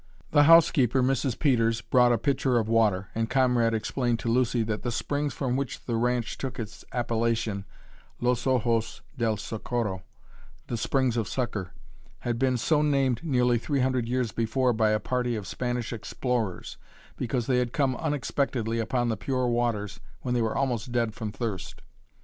The housekeeper, Mrs. Peters, brought a pitcher of water, and Conrad explained to Lucy that the springs from which the ranch took its appellation, Los Ojos del Socorro, "The Springs of Succor," had been so named nearly three hundred years before by a party of Spanish explorers, because they had come unexpectedly upon the pure waters when they were almost dead from thirst.